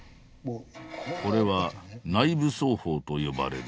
これは内部奏法と呼ばれるもの。